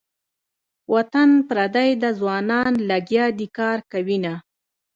وطن پردی ده ځوانان لګیا دې کار کوینه.